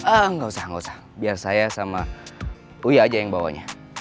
eh gak usah gak usah biar saya sama uya aja yang bawanya